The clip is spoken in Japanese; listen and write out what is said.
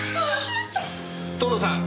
藤堂さん